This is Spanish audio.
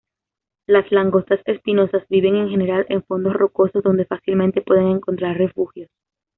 Las langostas espinosas viven, en general, en fondos rocosos donde fácilmente pueden encontrar refugios.